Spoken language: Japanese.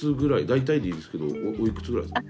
大体でいいですけどおいくつぐらいですか？